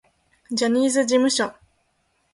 ジャニーズ事務所